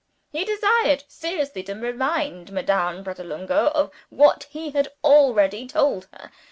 He desired seriously to remind Madame Pratolungo of what he had already told her.